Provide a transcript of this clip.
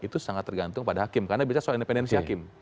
itu sangat tergantung pada hakim karena bicara soal independensi hakim